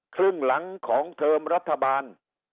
ครึ่งหลังของเทอมรัฐบาล